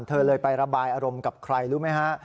เธอเลยไประบายอารมณ์กับใครรู้ไหมฮะ